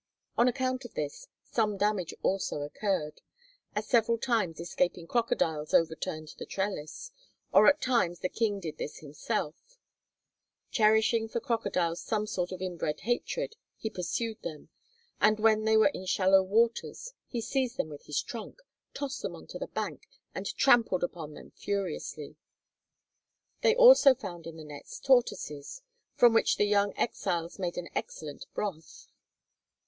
On account of this, some damage also occurred, as several times escaping crocodiles overturned the trellis, or at times the King did this himself; cherishing for crocodiles some sort of inbred hatred, he pursued them, and when they were in shallow waters he seized them with his trunk, tossed them onto the bank, and trampled upon them furiously. They found also in the nets tortoises, from which the young exiles made an excellent broth.